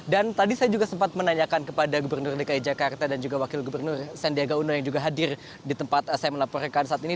dan tadi saya juga sempat menanyakan kepada gubernur dki jakarta dan juga wakil gubernur sandiaga uno yang juga hadir di tempat saya melaporkan saat ini